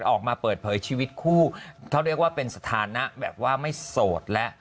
ออกมาเปิดเผยชีวิตคู่เขาเรียกว่าเป็นสถานะแบบว่าไม่โสดแล้ว